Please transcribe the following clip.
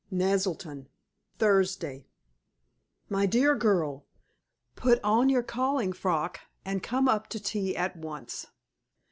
"Naselton, Thursday. "My Dear Girl, Put on your calling frock, and come up to tea at once.